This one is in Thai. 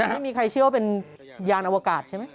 ไม่มีใครเชื่อว่าเป็นยานอวกาศใช่ไหม